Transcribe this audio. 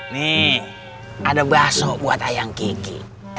nih ada baso buat ayang kiki